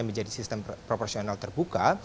menjadi sistem proporsional terbuka